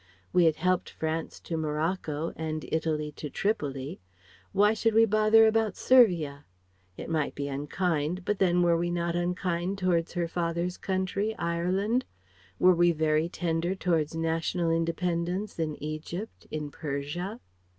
We had helped France to Morocco and Italy to Tripoli; why should we bother about Servia? It might be unkind, but then were we not unkind towards her father's country, Ireland? Were we very tender towards national independence in Egypt, in Persia?